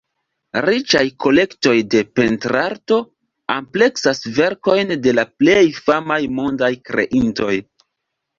Riĉaj kolektoj de pentrarto ampleksas verkojn de la plej famaj mondaj kreintoj.